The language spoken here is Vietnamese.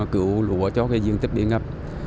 cứu lũa cho cái diện tích bị ngập